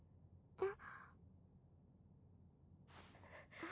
あっ。